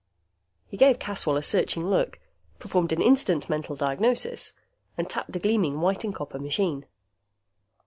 He gave Caswell a searching look, performed an instant mental diagnosis, and tapped a gleaming white and copper machine.